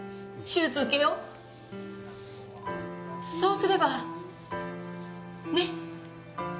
そうすれば、ね。